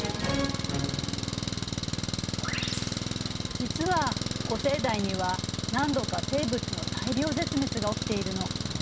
実は古生代には何度か生物の大量絶滅が起きているの。